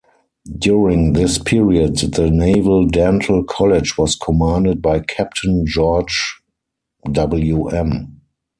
During this period the Naval Dental College was commanded by Captain George Wm.